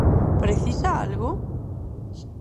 ¿Precisa algo?